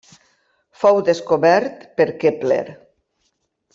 Fou descobert per Kepler.